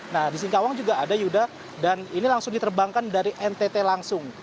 nah di singkawang juga ada yuda dan ini langsung diterbangkan dari ntt langsung